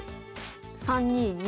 ３二銀。